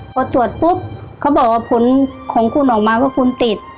พอตรวจปุ๊บเขาบอกว่าผลของคุณออกมาว่าคุณติด